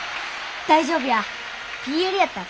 大丈夫や。